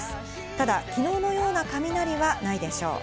ただ昨日のような雷はないでしょう。